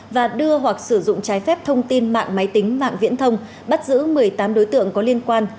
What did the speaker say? và đưa hoặc sử dụng trái phép thông tin mạng máy tính mạng viễn thông bắt giữ một mươi tám đối tượng có liên quan